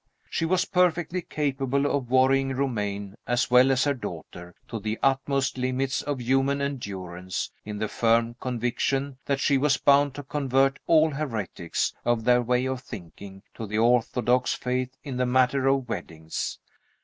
She was perfectly capable of worrying Romayne (as well as her daughter) to the utmost limits of human endurance, in the firm conviction that she was bound to convert all heretics, of their way of thinking, to the orthodox faith in the matter of weddings.